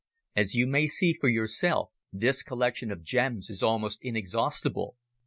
As you may see for yourself, this collection of gems is almost inexhaustible.